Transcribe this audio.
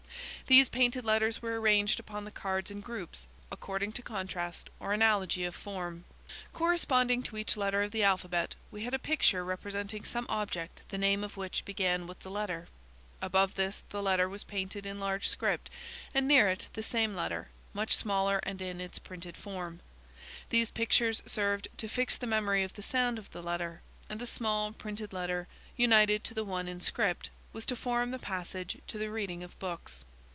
These painted letters were arranged upon the cards in groups, according to contrast, or analogy of form. Corresponding to each letter of the alphabet, we had a picture representing some object the name of which began with the letter. Above this, the letter was painted in large script, and near it, the same letter, much smaller and in its printed form. These pictures served to fix the memory of the sound of the letter, and the small printed letter united to the one in script, was to form the passage to the reading of books.